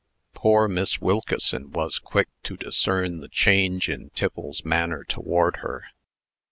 Poor Miss Wilkeson was quick to discern the change in Tiffles's manner toward her.